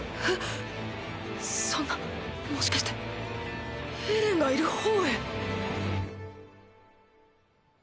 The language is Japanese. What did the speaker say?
そんなもしかしてエレンがいる方へ？